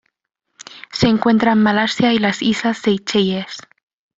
Se encuentra en Malasia y las islas Seychelles